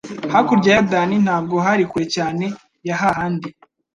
hakurya ya Yorodani. Ntabwo hari kure cyane ya ha handi